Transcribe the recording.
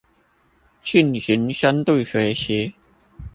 進行深度學習